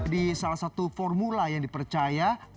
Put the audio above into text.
di salah satu formula yang dipercaya